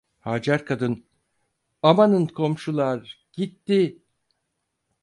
Hacer kadın: "Amanın komşular! Gitti…"